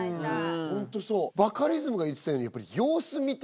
バカリズムが言ってたようにやっぱり。